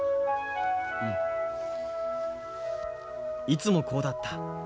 いつもこうだった。